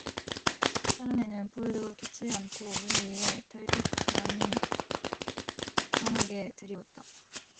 사랑에는 불도 켜지 않고 문 위에 달빛만이 환하게 드리웠다.